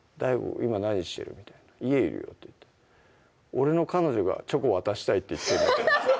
今何してる？」みたいな「家いるよ」って言って「俺の彼女がチョコ渡したいって言ってんだけど」